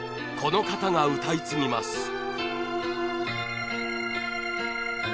この方が歌い継ぎます。